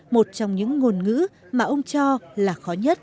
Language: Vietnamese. một trong những ngôn ngữ mà ông cho là khó nhất